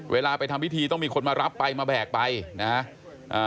เวลาไปทำพิธีต้องมีคนมารับไปมาแบกไปนะฮะอ่า